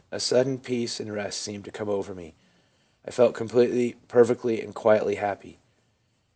'A sudden peace and rest seemed to come over me. I felt completely, perfectly, and quietly happy.'